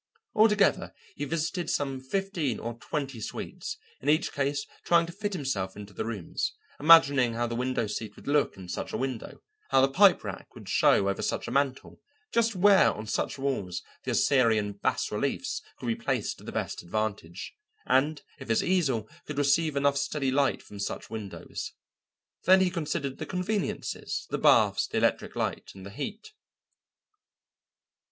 Altogether, he visited some fifteen or twenty suites, in each case trying to fit himself into the rooms, imagining how the window seat would look in such a window, how the pipe rack would show over such a mantel, just where on such walls the Assyrian bas reliefs could be placed to the best advantage, and if his easel could receive enough steady light from such windows. Then he considered the conveniences, the baths, the electric light, and the heat.